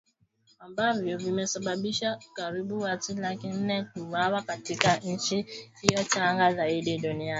Ambavyo vimesababisha karibu watu laki nne kuuawa katika nchi hiyo changa zaidi duniani